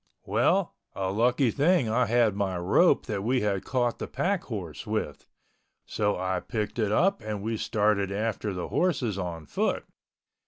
Well, a lucky thing I had my rope that we had caught the pack horse with. So I picked it up and we started after the horses on foot.